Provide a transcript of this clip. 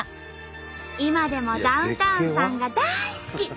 今でもダウンタウンさんが大好き！